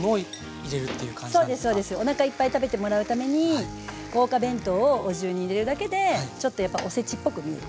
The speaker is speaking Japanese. おなかいっぱい食べてもらうために豪華弁当をお重に入れるだけでちょっとやっぱおせちっぽく見える。